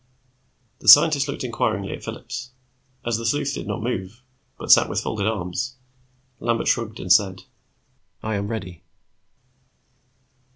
The scientist looked inquiringly at Phillips. As the sleuth did not move, but sat with folded arms, Lambert shrugged and said, "I am ready."